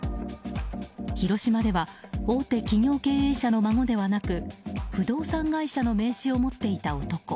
広島では大手企業経営者の孫ではなく不動産会社の名刺を持っていた男。